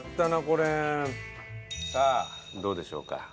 さあどうでしょうか？